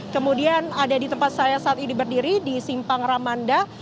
kemudian ada di tempat saya saat ini berdiri di simpang ramanda